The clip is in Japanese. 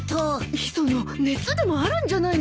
磯野熱でもあるんじゃないのか？